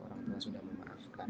orang tua sudah memaafkan